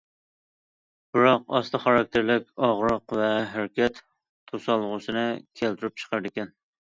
بىراق ئاستا خاراكتېرلىك ئاغرىق ۋە ھەرىكەت توسالغۇسىنى كەلتۈرۈپ چىقىرىدىكەن.